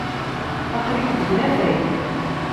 Aql-ik deg unafag.